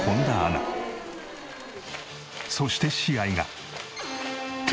そして試合が。